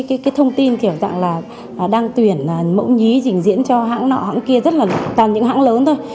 cái thông tin kiểu dạng là đang tuyển mẫu nhí trình diễn cho hãng nọ hãng kia rất là toàn những hãng lớn thôi